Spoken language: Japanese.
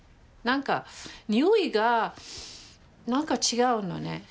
何か匂いが何か違うのね。